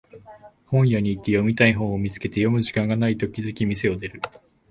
本屋行って読みたい本を見つけて読む時間がないと気づき店を出る